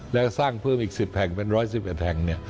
แล้วสร้างเพิ่มอีก๑๐แห่งเป็น๑๑๑แห่ง